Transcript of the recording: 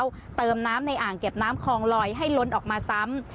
แล้วเติมน้ำในอ่างเก็บน้ำคลองลอยให้ล้นออกมาซ้ำ